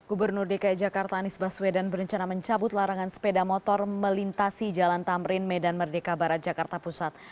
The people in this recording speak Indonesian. gubernur dki jakarta anies baswedan berencana mencabut larangan sepeda motor melintasi jalan tamrin medan merdeka barat jakarta pusat